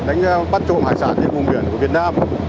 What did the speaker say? đánh bắt trộm hải sản trên vùng biển của việt nam